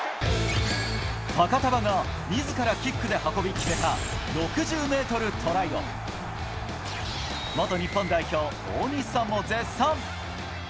ファカタヴァがみずからキックで運び決めた、６０メートルトライを、元日本代表、大西さんも絶賛。